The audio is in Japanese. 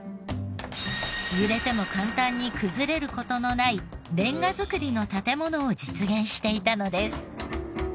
揺れても簡単に崩れる事のないレンガ造りの建ものを実現していたのです。